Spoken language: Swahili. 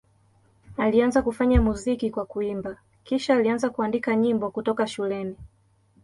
Alianza kufanya muziki kwa kuimba, kisha alianza kuandika nyimbo kutoka shuleni.